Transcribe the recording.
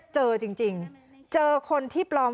เจอจริงเจอคนที่ปลอม